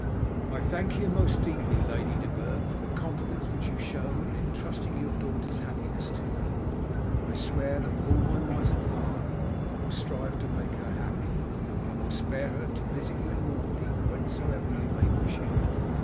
"I thank you most deeply, Lady de Burg, for the confidence which you show in intrusting your daughter's happiness to me. I swear that with all my might and power I will strive to make her happy, and will spare her to visit you in Normandy whensoever you may wish it."